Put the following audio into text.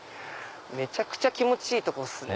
めちゃくちゃ気持ちいいですね。